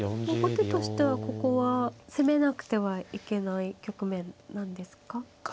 でも後手としてはここは攻めなくてはいけない局面なんですか。